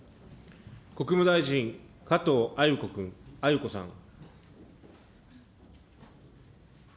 国務大臣、加藤鮎子君、鮎子さん。